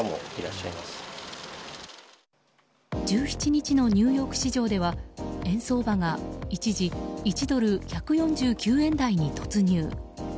１７日のニューヨーク市場では円相場が一時１ドル＝１４９円台に突入。